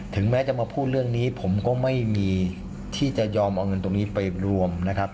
แม้จะมาพูดเรื่องนี้ผมก็ไม่มีที่จะยอมเอาเงินตรงนี้ไปรวมนะครับ